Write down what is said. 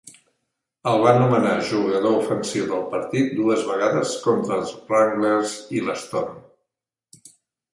El van nomenar jugador ofensiu del partit dues vegades contra els Wranglers i l'Storm.